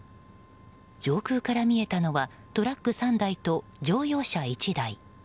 上空から見えたのはトラック３台と乗用車１台。